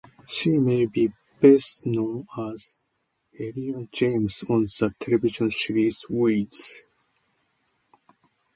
She may be best known as "Heylia James" on the television series "Weeds".